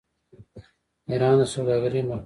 ایران د سوداګرۍ مرکز دی.